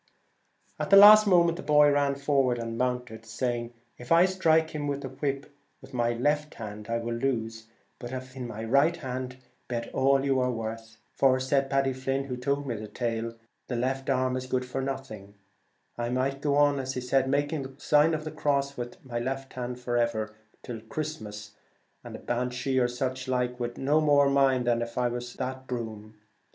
At the last moment the boy ran forward and mounted, saying, ' If I strike him with the whip in my left hand I will lose, but if in my right hand bet all you are worth.' For, said 125 The Paddy Flynn, who told me the tale, ' the Celtic Twilight. l e ft arm 1S good for nothing. I might go on making the sign of the cross with it, and all that, come Christmas, and a Banshee, or such like, would no more mind than if it was that broom.'